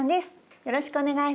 よろしくお願いします。